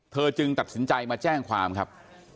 จึงตัดสินใจมาแจ้งความครับ